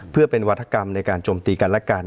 เพื่อเป็นวัฒกรรมในการจมตีกันและกัน